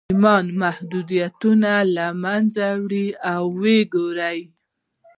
ایمان محدودیتونه له منځه وړي او ورکوي یې